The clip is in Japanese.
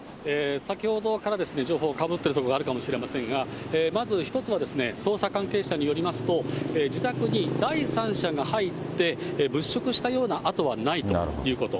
先ほどから情報かぶってるところがあるかもしれませんが、まず１つは、捜査関係者によりますと、自宅に第三者が入って、物色したような跡はないということ。